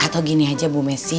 atau gini aja bu messi